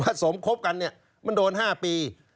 สมคบกันเนี่ยมันโดน๕ปี